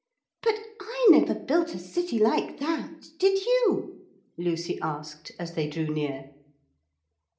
'But I never built a city like that, did you?' Lucy asked as they drew near.